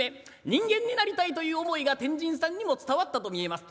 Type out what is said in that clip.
人間になりたいという思いが天神さんにも伝わったと見えます。